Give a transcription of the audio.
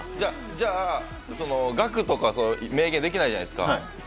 じゃあ、額とか明言できないじゃないですか。